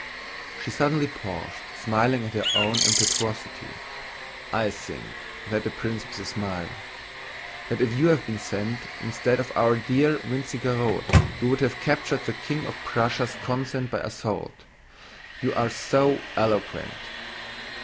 She suddenly paused, smiling at her own impetuosity. "I think," said the prince with a smile, "that if you had been sent instead of our dear Wintzingerode you would have captured the King of Prussia's consent by assault. You are so eloquent.